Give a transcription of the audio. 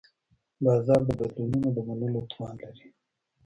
بازار د بدلونونو د منلو توان لري.